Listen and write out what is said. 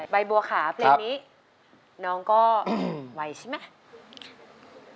ใบบัวขาเพลงนี้น้องก็ไวใช่ไหม